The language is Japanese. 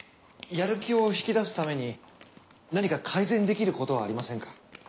やる気を引き出すために何か改善できることはありませんか？